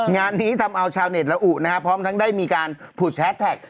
งานนี้ทำเอาชาวเน็ตระอุนะฮะพร้อมทั้งได้มีการผูดแชทแท็ก